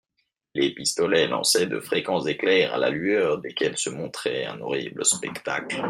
Les pistolets lançaient de fréquents éclairs à la lueur desquels se montrait un horrible spectacle.